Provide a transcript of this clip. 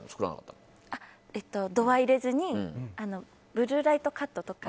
度は入れずにブルーライトカットとか。